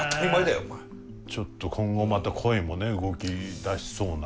ちょっと今後また恋もね動き出しそうな。